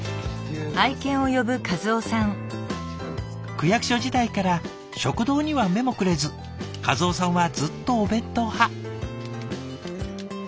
「区役所時代から食堂には目もくれず和雄さんはずっとお弁当派」。